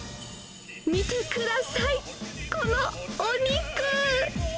見てください、このお肉。